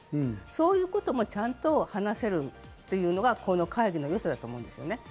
そういうこともちゃんと話せるというのがこの会議のよさだと思いますね。